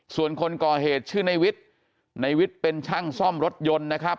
ส่วนคนก่อเหตุชื่อในวิทย์ในวิทย์เป็นช่างซ่อมรถยนต์นะครับ